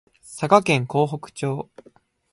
佐賀県江北町